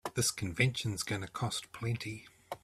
This convention's gonna cost plenty.